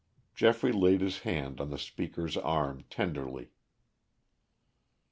Geoffrey laid his hand on the speaker's arm tenderly.